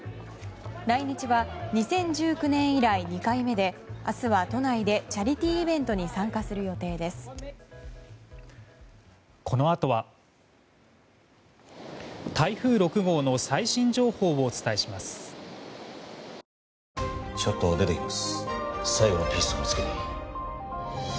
来日は２０１９年以来２回目で明日は都内でチャリティーイベントに台風６号の暴風域に入っています